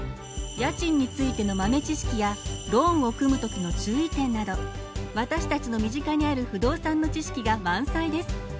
家賃についての豆知識やローンを組む時の注意点など私たちの身近にある不動産の知識が満載です。